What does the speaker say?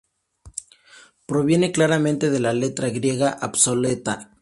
Proviene claramente de la letra griega obsoleta Ϙ.